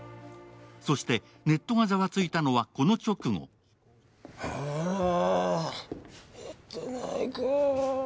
そして、ネットがざわついたのはこの直後腹減ってないか。